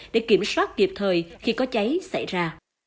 để kiểm soát kịp thời khi có cháy xảy ra